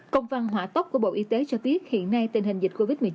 công văn hỏa tốc của bộ y tế cho biết hiện nay tình hình dịch covid một mươi chín